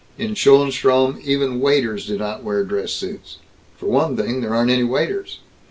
In Schoenstrom even waiters do not wear dress suits. For one thing there aren't any waiters.